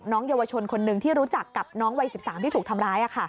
เยาวชนคนหนึ่งที่รู้จักกับน้องวัย๑๓ที่ถูกทำร้าย